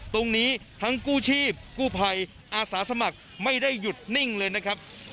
ตรงนี้ทั้งกู้ชีพกู้ภัยอาสาสมัครไม่ได้หยุดนิ่งเลยนะครับ